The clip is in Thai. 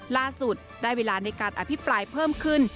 ล่าสุดได้เวลาในการอภิปรายเพิ่มขึ้น